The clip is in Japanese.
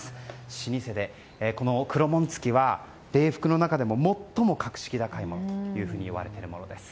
老舗で、この黒紋付きは礼服の中でも最も格式高いものといわれています。